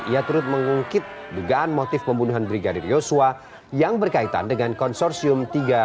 ia turut mengungkit dugaan motif pembunuhan brigadir yosua yang berkaitan dengan konsorsium tiga ratus dua belas